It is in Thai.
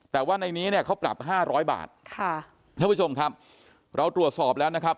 แต่ว่าในนี้เนี่ยเขาปรับห้าร้อยบาทค่ะท่านผู้ชมครับเราตรวจสอบแล้วนะครับ